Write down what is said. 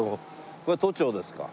これ都庁ですか？